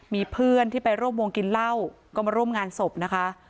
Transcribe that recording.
มีเพื่อนที่ไปร่วมวงกินเหล้าก็มาร่วมงานศพนะคะ